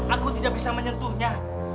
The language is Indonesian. aku tidak bisa menyentuhnya